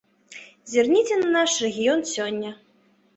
Зірніце на наш рэгіён сёння.